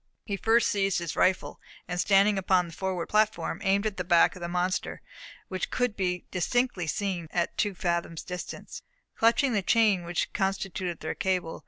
He first seized his rifle, and standing upon the forward platform, aimed it at the back of the monster, which could be distinctly seen at two fathoms' distance, clutching the chain which constituted their cable.